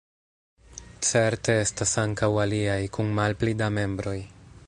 Certe estas ankaŭ aliaj, kun malpli da membroj.